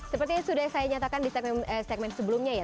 seperti yang sudah saya nyatakan di segmen sebelumnya ya